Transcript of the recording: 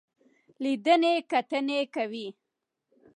لیدنې کتنې کوي.